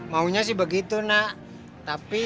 maunya sih begitu nak tapi